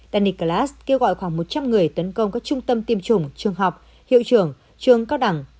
tanicalas kêu gọi khoảng một trăm linh người tấn công các trung tâm tiêm chủng trường học hiệu trưởng trường cao đẳng